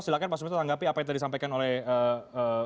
silahkan pak suminto tanggapi apa yang tadi disampaikan oleh pak sofian basir